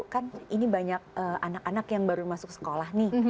kan ini banyak anak anak yang baru masuk sekolah nih